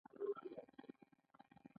دا هیئت د عدالت او امید مجلې دی.